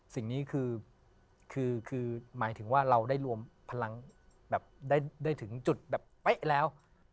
สิ่งนี้คือหมายถึงว่าเราได้รวมพลังแบบได้ถึงจุดแบบเป๊ะแล้ว